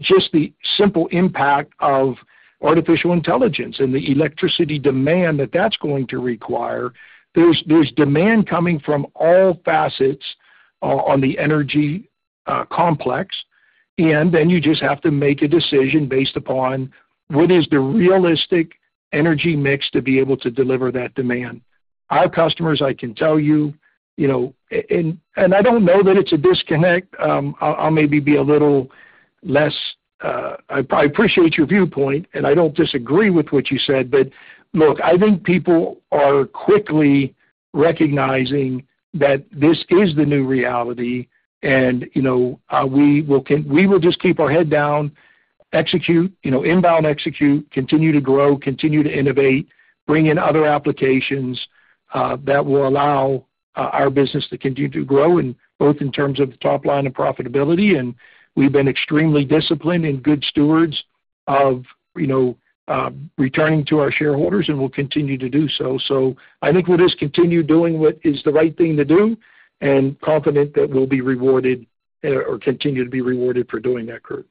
just the simple impact of artificial intelligence and the electricity demand that that's going to require, there's demand coming from all facets on the energy complex, and then you just have to make a decision based upon what is the realistic energy mix to be able to deliver that demand. Our customers, I can tell you, you know, and I don't know that it's a disconnect. I'll maybe be a little less. I appreciate your viewpoint, and I don't disagree with what you said, but look, I think people are quickly recognizing that this is the new reality, and, you know, we will just keep our head down, execute, you know, inbound execute, continue to grow, continue to innovate, bring in other applications, that will allow our business to continue to grow, and both in terms of the top line and profitability. And we've been extremely disciplined and good stewards of, you know, returning to our shareholders, and we'll continue to do so. So I think we'll just continue doing what is the right thing to do and confident that we'll be rewarded, or continue to be rewarded for doing that, Kurt.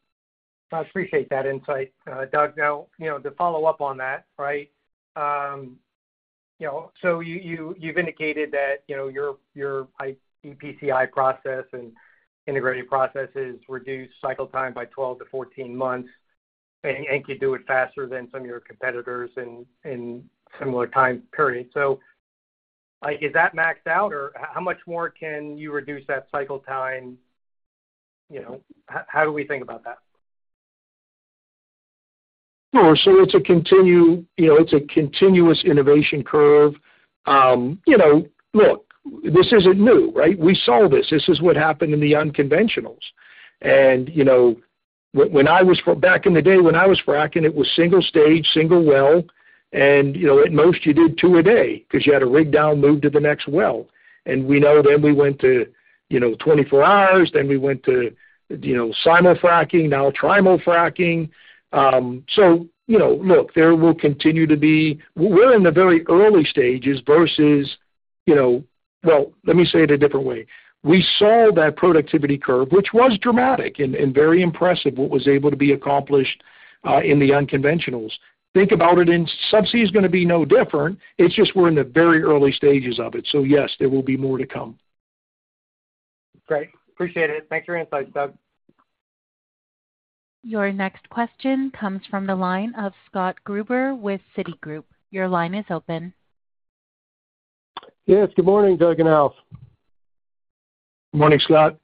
I appreciate that insight, Doug. Now, you know, to follow up on that, right, you know, so you've indicated that, you know, your iEPCI process and integrated processes reduce cycle time by 12 months-14 months, and can do it faster than some of your competitors in similar time periods. So, like, is that maxed out, or how much more can you reduce that cycle time? You know, how do we think about that? Sure. So it's a continuous innovation curve. You know, look, this isn't new, right? We saw this. This is what happened in the unconventionals. And, you know, when I was back in the day, when I was fracking, it was single stage, single well, and, you know, at most, you did two a day because you had to rig down, move to the next well. And we know then we went to, you know, 24 hours, then we went to, you know, simul-fracking, now trimul-fracking. So, you know, look, there will continue to be... We're in the very early stages versus, you know. Well, let me say it a different way. We saw that productivity curve, which was dramatic and very impressive, what was able to be accomplished in the unconventionals. Think about it, and Subsea is gonna be no different. It's just we're in the very early stages of it. So yes, there will be more to come. Great. Appreciate it. Thanks for your insights, Doug. Your next question comes from the line of Scott Gruber with Citigroup. Your line is open. Yes, good morning, Doug and Alf. Morning, Scott.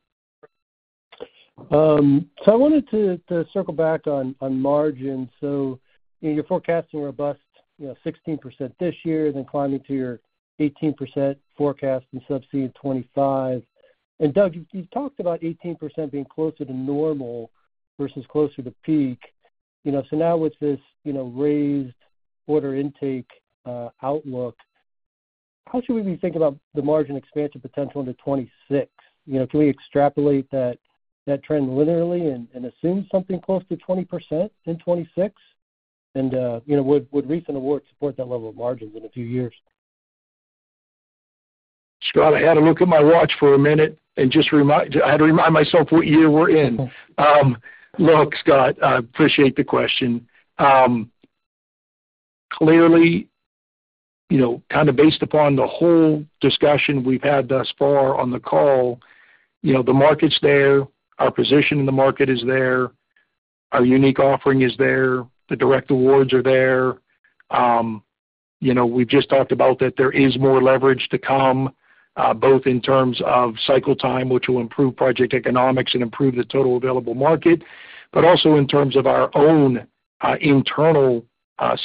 So I wanted to circle back on margins. So you're forecasting robust, you know, 16% this year, then climbing to your 18% forecast in Subsea in 2025. And Doug, you've talked about 18% being closer to normal versus closer to peak. You know, so now with this, you know, raised order intake outlook, how should we be thinking about the margin expansion potential into 2026? You know, can we extrapolate that trend linearly and assume something close to 20% in 2026? And, you know, would recent awards support that level of margins in a few years? Scott, I had to look at my watch for a minute and just remind myself what year we're in. Look, Scott, I appreciate the question. Clearly, you know, kind of based upon the whole discussion we've had thus far on the call, you know, the market's there, our position in the market is there, our unique offering is there, the direct awards are there. You know, we've just talked about that there is more leverage to come, both in terms of cycle time, which will improve project economics and improve the total available market, but also in terms of our own, internal,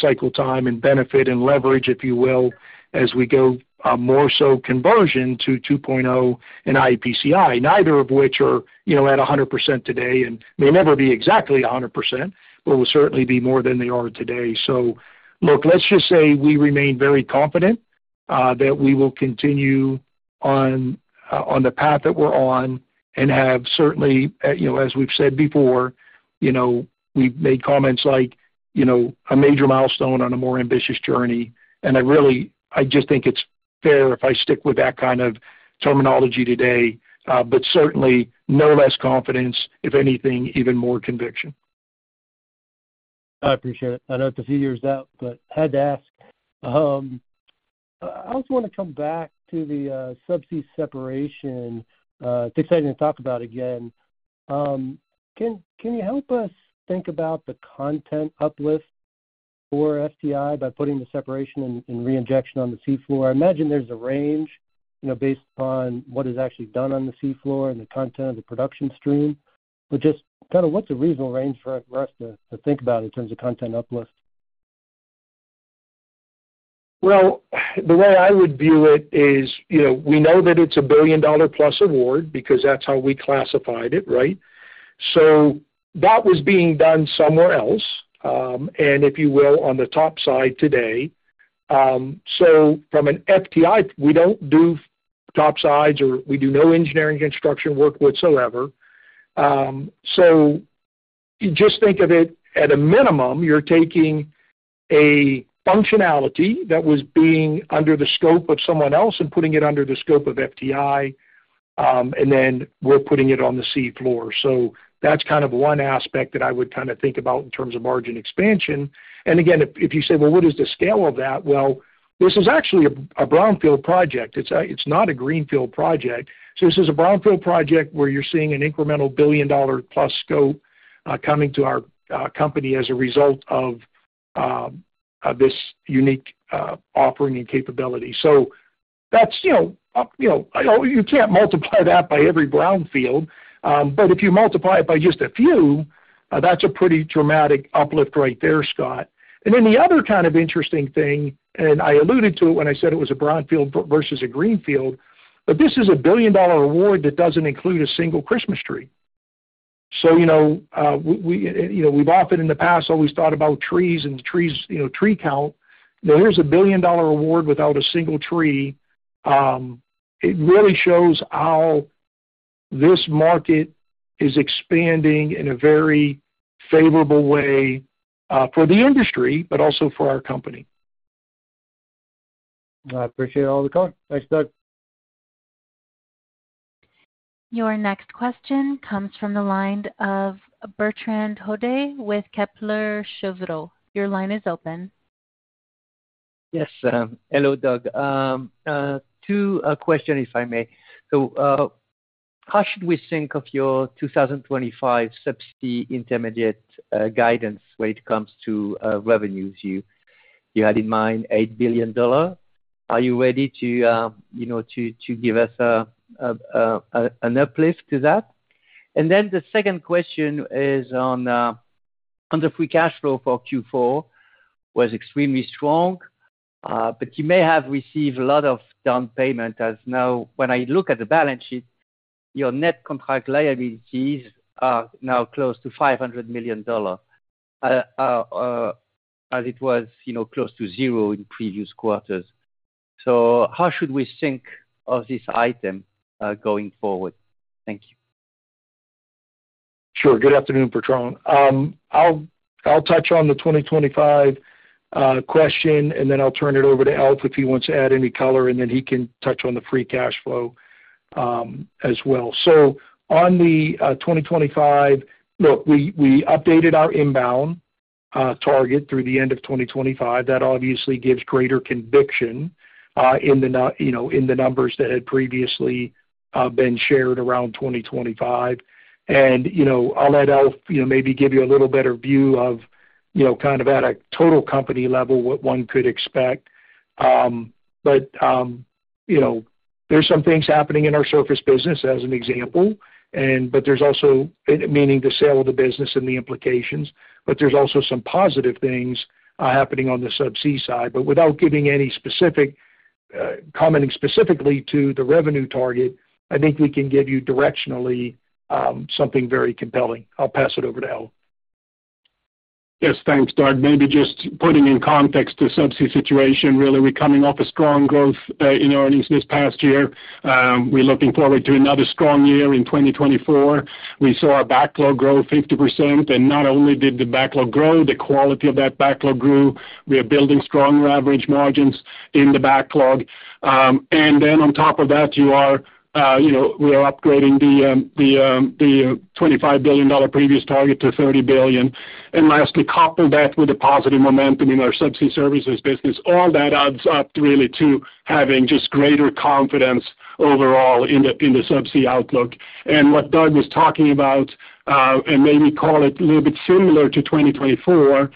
cycle time and benefit and leverage, if you will, as we go, more so conversion to 2.0 and iEPCI, neither of which are, you know, at 100% today, and may never be exactly 100%, but will certainly be more than they are today. So look, let's just say we remain very confident, that we will continue on, on the path that we're on and have certainly, you know, as we've said before, you know, we've made comments like, you know, a major milestone on a more ambitious journey. I really, I just think it's fair if I stick with that kind of terminology today, but certainly no less confidence, if anything, even more conviction. I appreciate it. I know it's a few years out, but I had to ask. I also want to come back to the subsea separation. It's exciting to talk about again. Can you help us think about the content uplift?... for FTI by putting the separation and reinjection on the sea floor. I imagine there's a range, you know, based upon what is actually done on the sea floor and the content of the production stream. But just kind of what's a reasonable range for us to think about in terms of content uplift? Well, the way I would view it is, you know, we know that it's a billion-dollar plus award because that's how we classified it, right? So that was being done somewhere else, and if you will, on the topside today. So from an FTI, we don't do topsides, or we do no engineering construction work whatsoever. So just think of it, at a minimum, you're taking a functionality that was being under the scope of someone else and putting it under the scope of FTI, and then we're putting it on the sea floor. So that's kind of one aspect that I would kind of think about in terms of margin expansion. And again, if you say, Well, what is the scale of that? Well, this is actually a Brownfield project. It's not a Greenfield project. So this is a brownfield project where you're seeing an incremental billion-dollar plus scope, coming to our company as a result of this unique offering and capability. So that's, you know, you know, you can't multiply that by every brownfield, but if you multiply it by just a few, that's a pretty dramatic uplift right there, Scott. And then the other kind of interesting thing, and I alluded to it when I said it was a brownfield versus a greenfield, but this is a billion-dollar award that doesn't include a single Christmas tree. So, you know, we, we, you know, we've often in the past always thought about trees and trees, you know, tree count. Now, here's a billion-dollar award without a single tree. It really shows how this market is expanding in a very favorable way, for the industry, but also for our company. I appreciate all the color. Thanks, Doug. Your next question comes from the line of Bertrand Hodée with Kepler Cheuvreux. Your line is open. Yes, hello, Doug. Two questions, if I may. So, how should we think of your 2025 subsea interim guidance when it comes to revenues? You had in mind $8 billion. Are you ready to, you know, to give us an uplift to that? And then the second question is on the free cash flow for Q4, was extremely strong, but you may have received a lot of down payment as now, when I look at the balance sheet, your net contract liabilities are now close to $500 million, as it was, you know, close to zero in previous quarters. So how should we think of this item going forward? Thank you. Sure. Good afternoon, Bertrand. I'll touch on the 2025 question, and then I'll turn it over to Alf, if he wants to add any color, and then he can touch on the free cash flow as well. So on the 2025, look, we updated our inbound target through the end of 2025. That obviously gives greater conviction, you know, in the numbers that had previously been shared around 2025. And, you know, I'll let Alf, you know, maybe give you a little better view of, you know, kind of at a total company level, what one could expect. But, you know, there's some things happening in our surface business as an example, and but there's also... Meaning the sale of the business and the implications, but there's also some positive things happening on the subsea side. But without giving any specific commenting specifically to the revenue target, I think we can give you directionally something very compelling. I'll pass it over to Alf. Yes, thanks, Doug. Maybe just putting in context the subsea situation. Really, we're coming off a strong growth in earnings this past year. We're looking forward to another strong year in 2024. We saw our backlog grow 50%, and not only did the backlog grow, the quality of that backlog grew. We are building stronger average margins in the backlog. And then on top of that, you are, you know, we are upgrading the $25 billion previous target to $30 billion. And lastly, couple that with the positive momentum in our subsea services business, all that adds up really to having just greater confidence overall in the subsea outlook. What Doug was talking about, and maybe call it a little bit similar to 2024,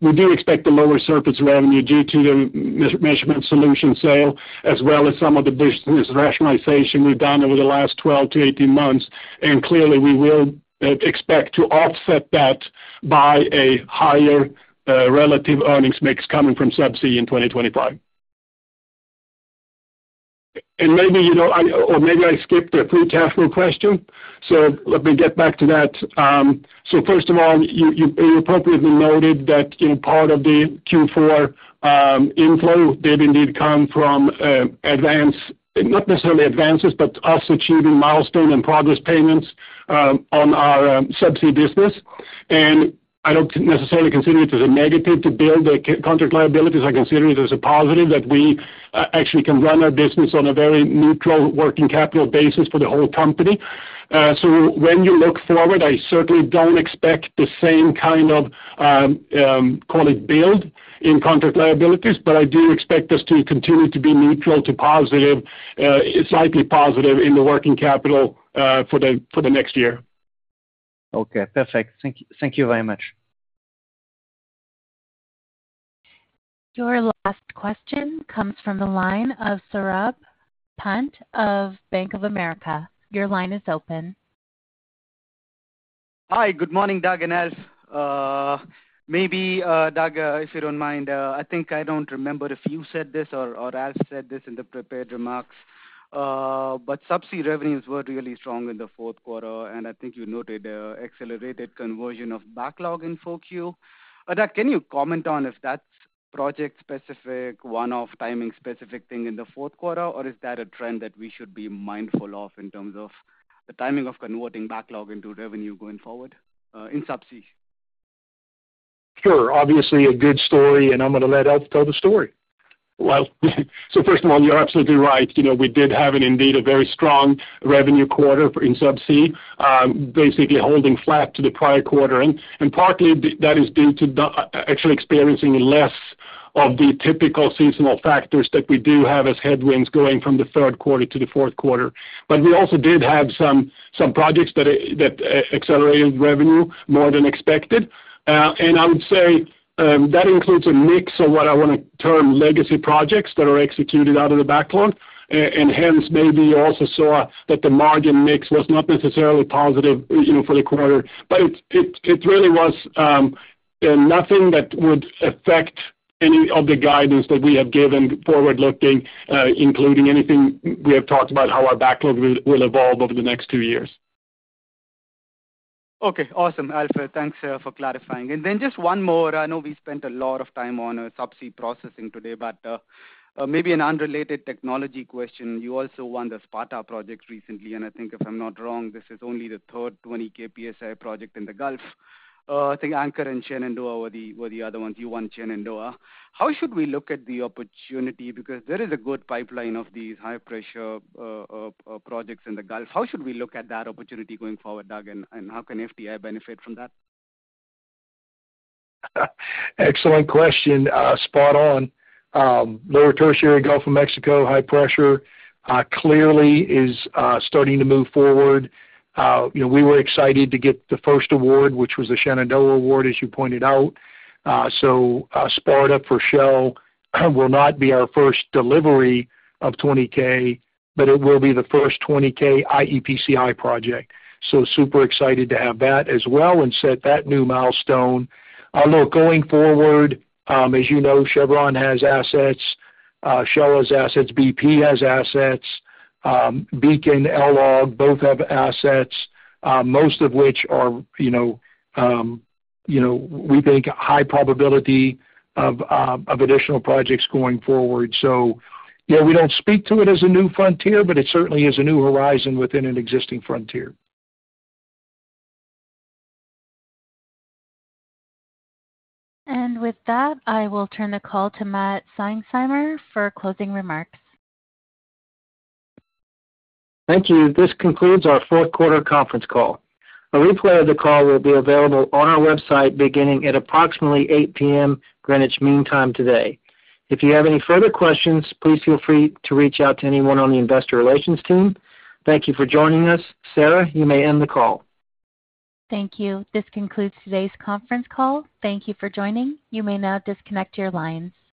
we do expect a lower surface revenue due to the measurement solution sale, as well as some of the business rationalization we've done over the last 12 months-18 months. And clearly, we will expect to offset that by a higher relative earnings mix coming from subsea in 2025. And maybe, you know, or maybe I skipped the free cash flow question, so let me get back to that. So first of all, you appropriately noted that, you know, part of the Q4 inflow did indeed come from advance, not necessarily advances, but us achieving milestone and progress payments on our subsea business. I don't necessarily consider it as a negative to build the contract liabilities. I consider it as a positive that we actually can run our business on a very neutral working capital basis for the whole company. So when you look forward, I certainly don't expect the same kind of call it build in contract liabilities, but I do expect us to continue to be neutral to positive, slightly positive in the working capital for the next year. Okay. Perfect. Thank you very much. ... Your last question comes from the line of Saurabh Pant of Bank of America. Your line is open. Hi. Good morning, Doug and Alf. Maybe, Doug, if you don't mind, I think I don't remember if you said this or Alf said this in the prepared remarks, but subsea revenues were really strong in the fourth quarter, and I think you noted accelerated conversion of backlog in Q4. But, Doug, can you comment on if that's project-specific, one-off timing specific thing in the fourth quarter, or is that a trend that we should be mindful of in terms of the timing of converting backlog into revenue going forward, in subsea? Sure. Obviously, a good story, and I'm gonna let Alf tell the story. Well, so first of all, you're absolutely right. You know, we did have and indeed a very strong revenue quarter for in subsea, basically holding flat to the prior quarter. And partly that is due to actually experiencing less of the typical seasonal factors that we do have as headwinds going from the third quarter to the fourth quarter. But we also did have some projects that accelerated revenue more than expected. And I would say that includes a mix of what I wanna term legacy projects that are executed out of the backlog, and hence, maybe you also saw that the margin mix was not necessarily positive, you know, for the quarter. But it really was nothing that would affect any of the guidance that we have given forward-looking, including anything we have talked about how our backlog will evolve over the next two years. Okay, awesome, Alf. Thanks for clarifying. And then just one more. I know we spent a lot of time on subsea processing today, but maybe an unrelated technology question. You also won the Sparta project recently, and I think if I'm not wrong, this is only the third 20 ksi project in the Gulf. I think Anchor and Shenandoah were the other ones. You won Shenandoah. How should we look at the opportunity? Because there is a good pipeline of these high-pressure projects in the Gulf. How should we look at that opportunity going forward, Doug, and how can FID benefit from that? Excellent question. Spot on. Lower Tertiary Gulf of Mexico, high pressure, clearly is starting to move forward. You know, we were excited to get the first award, which was the Shenandoah award, as you pointed out. So, Sparta for Shell will not be our first delivery of 20K, but it will be the first 20K iEPCI project. So super excited to have that as well and set that new milestone. Look, going forward, as you know, Chevron has assets, Shell has assets, BP has assets, Beacon, LLOG, both have assets, most of which are, you know, we think high probability of additional projects going forward. So yeah, we don't speak to it as a new frontier, but it certainly is a new horizon within an existing frontier. And with that, I will turn the call to Matthew Seinsheimer for closing remarks. Thank you. This concludes our fourth quarter conference call. A replay of the call will be available on our website beginning at approximately 8:00 P.M., Greenwich Mean Time today. If you have any further questions, please feel free to reach out to anyone on the investor relations team. Thank you for joining us. Sarah, you may end the call. Thank you. This concludes today's conference call. Thank you for joining. You may now disconnect your lines.